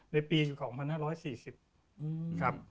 ในปีของ๑๕๔๐ครับ